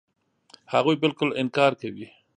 هغوی بالکل انکار کوي.